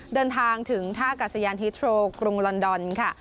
เดินทางถึงท่ากัศยานฮิตโทรกรุงลอนดอนค่ะ